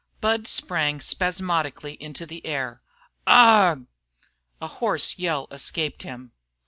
Budd sprang spasmodically into the air. "Aa gh!" A hoarse yell escaped him.